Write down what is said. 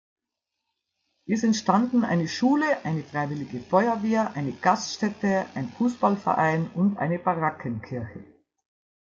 Es entstanden eine Schule, eine Freiwillige Feuerwehr, eine Gaststätte, ein Fußballverein und eine Barackenkirche.